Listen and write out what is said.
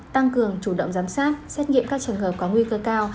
tăng cường chủ động giám sát xét nghiệm các trường hợp có nguy cơ cao